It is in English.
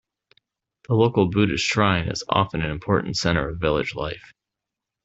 The local Buddhist shrine is often an important center of village life.